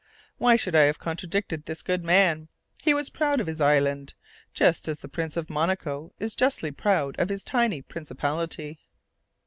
Why should I have contradicted this good man? He was proud of his island, just as the Prince of Monaco is justly proud of his tiny principality.